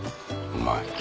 うまい。